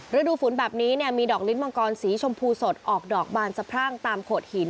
ฤดูฝนแบบนี้มีดอกลิ้นมังกรสีชมพูสดออกดอกบานสะพรั่งตามโขดหิน